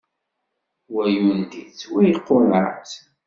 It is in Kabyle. Wa yundi-tt wa yeqqureɛ-itt.